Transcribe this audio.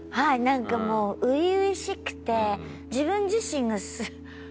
なんかもう初々しくて。